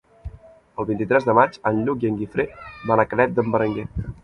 El vint-i-tres de maig en Lluc i en Guifré van a Canet d'en Berenguer.